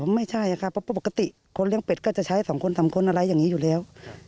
ไม่ใช่ค่ะปกติคนเลี้ยงเป็ดก็จะใช้สองคนสามคนอะไรอย่างนี้อยู่แล้ว